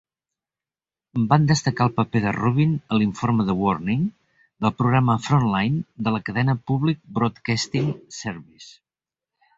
Van destacar el paper de Rubin a l'informe "The Warning", del programa 'Frontline' de la cadena Public Broadcasting Service.